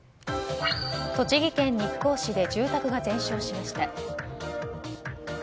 栃木県日光市で住宅が全焼しました。